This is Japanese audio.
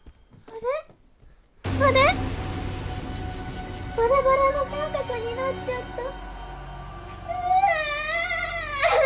あれ⁉バラバラの三角になっちゃった。